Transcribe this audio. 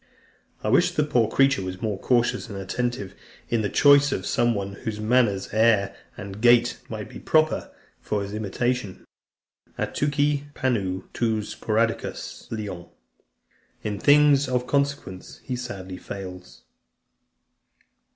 I wish the poor creature was more cautious and attentive in the choice of some one, whose manners, air, and gait might be proper for his imitation: Atuchei panu en tois spoudaiois lian. In things of consequence he sadly fails.